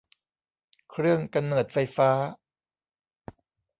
เครื่องกำเนิดไฟฟ้า